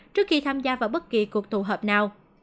trước khi tham gia vào bất kỳ cuộc tụ hợp nào